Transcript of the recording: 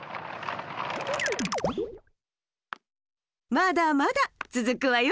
まだまだつづくわよ。